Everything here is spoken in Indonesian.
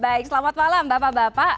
baik selamat malam bapak bapak